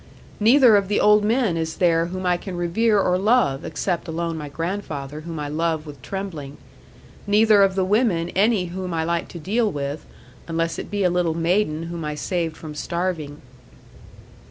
Neither of the old men is there whom I can revere or love (except alone my grandfather, whom I love with trembling): neither of the women any whom I like to deal with, unless it be a little maiden whom I saved from starving.